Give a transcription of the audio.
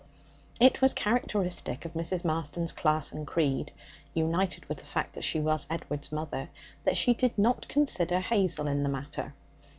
It was characteristic of Mrs. Marston's class and creed (united with the fact that she was Edward's mother) that she did not consider Hazel in the matter.